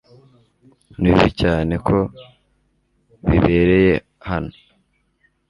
Ni bibi cyane ko bibereyes hano .